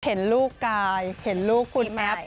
เห็นลูกกายเห็นลูกคุณแมท